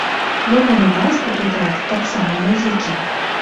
Ягоны бацька і брат таксама музыкі.